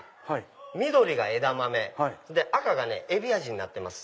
緑が枝豆赤がエビ味になってます。